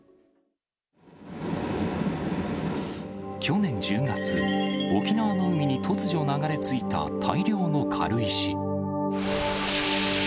去年１０月、沖縄の海に突如流れ着いた大量の軽石。